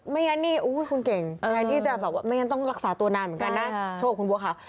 ไม่งั้นนี่คุณเก่งไม่งั้นต้องรักษาตัวนานเหมือนกันนะโชคบุ๊คค่ะ